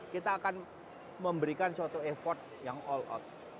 kita akan memberikan suatu effort yang all out